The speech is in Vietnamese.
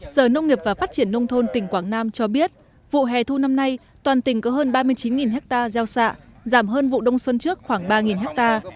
sở nông nghiệp và phát triển nông thôn tỉnh quảng nam cho biết vụ hè thu năm nay toàn tỉnh có hơn ba mươi chín ha gieo xạ giảm hơn vụ đông xuân trước khoảng ba ha